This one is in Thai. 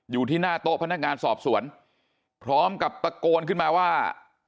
อยู่ที่หน้าโต๊ะพนักงานสอบสวนพร้อมกับตะโกนขึ้นมาว่า